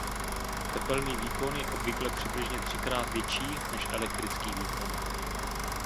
Tepelný výkon je obvykle přibližně třikrát větší než elektrický výkon.